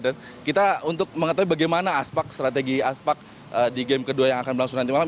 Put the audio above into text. dan kita untuk mengetahui bagaimana strategi aspak di game kedua yang akan berlangsung nanti malam